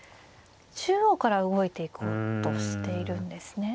中央から動いていこうとしているんですね。